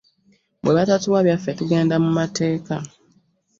Bwe batatuwa byaffe tugenda mu mateeka.